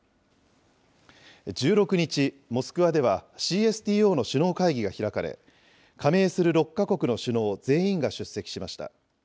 １６日、モスクワではＣＳＴＯの首脳会議が開かれ、加盟する６か国の首脳全員が出席しました。